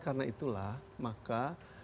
karena itulah maka